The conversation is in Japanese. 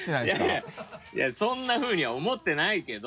いやいやそんなふうには思ってないけど！